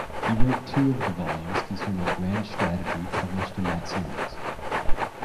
He wrote two of the volumes concerning grand strategy published in that series.